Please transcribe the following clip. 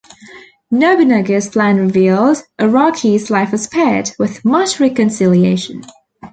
Nobunaga's plan revealed, Araki's life was spared, with much reconciliation.